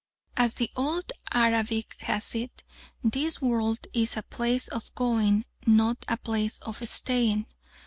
As the old Arabic has it, "This world is a place of going, not a place of staying."